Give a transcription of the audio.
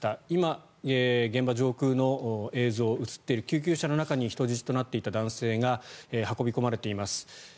今、現場上空の映像映っている救急車の中に人質となっていた男性が運び込まれています。